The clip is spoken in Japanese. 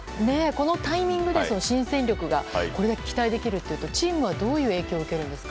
このタイミングで新戦力がこれだけ期待できるとチームはどういう影響を受けるんですか。